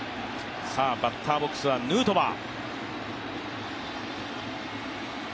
バッターボックスはヌートバー。